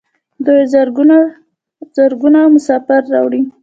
دوی زرګونه مسافر راوړي.